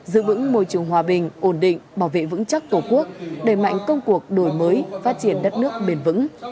giữ vững môi trường hòa bình ổn định bảo vệ vững chắc tổ quốc đẩy mạnh công cuộc đổi mới phát triển đất nước bền vững